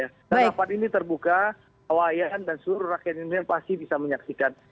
rapat ini terbuka wayan dan seluruh rakyat indonesia pasti bisa menyaksikan